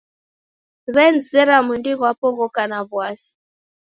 W'enizera mwindi ghwapo ghoka na w'asi.